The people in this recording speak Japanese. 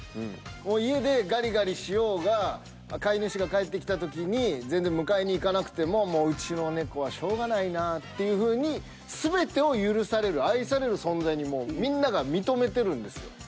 家でガリガリしようが飼い主が帰ってきた時に全然迎えに行かなくてもうちのネコはしょうがないなっていうふうに全てを許される愛される存在にみんなが認めてるんですよ。